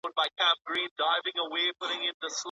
هوښياران بايد د جبري نکاح زيانونه په پام کي ونيسي.